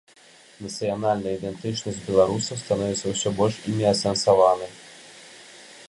Нацыянальная ідэнтычнасць беларусаў становіцца ўсё больш імі асэнсаванай.